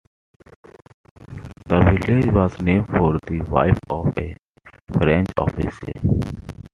The village was named for the wife of a French official.